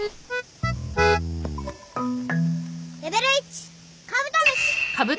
レベル１カブトムシ！